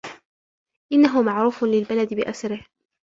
إنه معروف للبلد بأسره.